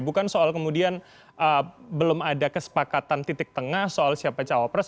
bukan soal kemudian belum ada kesepakatan titik tengah soal siapa cawapres